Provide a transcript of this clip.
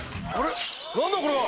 何だこれは！